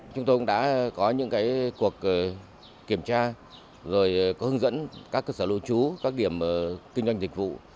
chúng tôi cũng đã có những cuộc kiểm tra rồi có hướng dẫn các cơ sở lưu trú các điểm kinh doanh dịch vụ